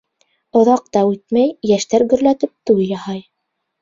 Оҙаҡ та үтмәй, йәштәр гөрләтеп туй яһай.